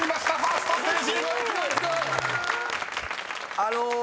あの。